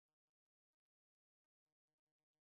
某些藩也会设置奏者番的职务。